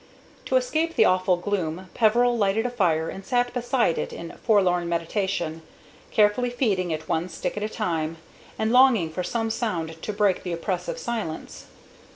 To escape the awful gloom, Peveril lighted a fire and sat beside it in forlorn meditation, carefully feeding it one stick at a time, and longing for some sound to break the oppressive silence.